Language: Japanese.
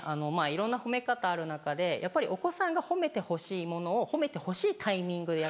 いろんな褒め方ある中でお子さんが褒めてほしいものを褒めてほしいタイミングで。